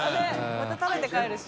また食べて帰るし。